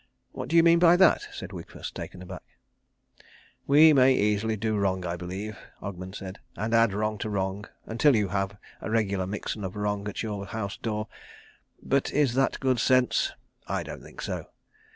"What do you mean by that?" said Wigfus, taken aback. "We may easily do wrong, I believe," Ogmund said, "and add wrong to wrong until you have a regular mixen of wrong at your house door. But is that good sense? I don't think so.